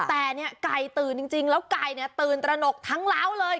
แต่เนี่ยไก่ตื่นจริงแล้วไก่เนี่ยตื่นตระหนกทั้งเล้าเลย